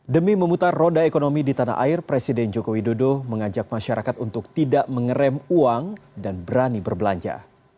demi memutar roda ekonomi di tanah air presiden joko widodo mengajak masyarakat untuk tidak mengerem uang dan berani berbelanja